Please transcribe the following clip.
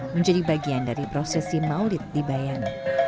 menjadi bagian dari prosesi maulid di bayan